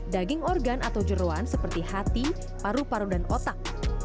daging organ atau jeruan seperti hati paru paru dan otak